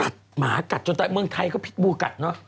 หมากัดจนเมืองไทยก็พิษบูกัดเนอะ